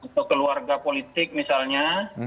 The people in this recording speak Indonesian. atau keluarga politik misalnya